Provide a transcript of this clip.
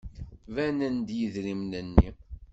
Banen-d yidrimen-nni.